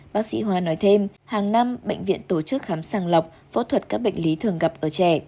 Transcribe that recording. bác sĩ hoa nói thêm hàng năm bệnh viện tổ chức khám sàng lọc phẫu thuật các bệnh lý thường gặp ở trẻ